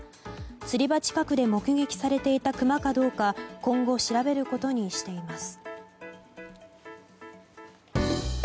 釣り場近くで目撃されていたクマかどうか今後、調べることにしています。